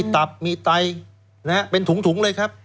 ตับมีไตเป็นถุงเลยครับ